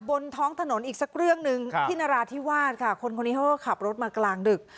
บนท้องถนนอีกสักเรื่องหนึ่งที่นราธิวาสค่ะคนคนนี้เขาก็ขับรถมากลางดึก